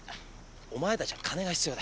お前たちは金が必要だ。